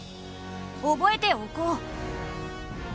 覚えておこう。